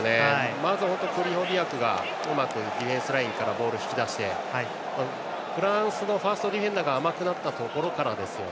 まず、クリホビアクがうまくディフェンスラインからボールを引き出してフランスのファーストディフェンダーが甘くなったところから。